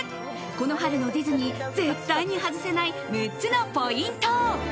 この春のディズニー絶対に外せない６つのポイント。